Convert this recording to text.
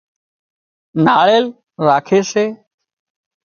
ناۯيل راکي سي